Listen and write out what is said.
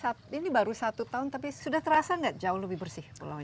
saat ini baru satu tahun tapi sudah terasa nggak jauh lebih bersih pulau ini